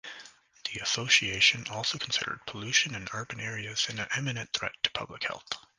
The association also considered pollution in urban areas an imminent threat to public health.